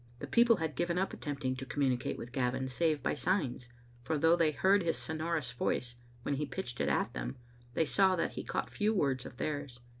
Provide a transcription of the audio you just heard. The people had given up attempting to communicate with Gavin save by signs, for though they heard his sonorous voice, when he pitched it at them, they saw that he caught few words of theirs.